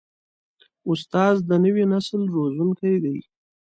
استاد د نوي نسل روزونکی دی.